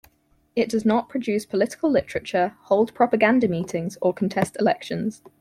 It does not produce political literature, hold propaganda meetings or contest elections.